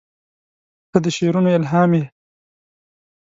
• ته د شعرونو الهام یې.